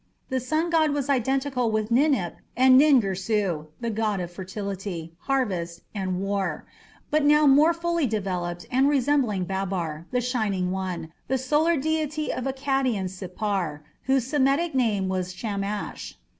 The sun god was identical with Ninip and Nin Girsu, a god of fertility, harvest, and war, but now more fully developed and resembling Babbar, "the shining one", the solar deity of Akkadian Sippar, whose Semitic name was Shamash.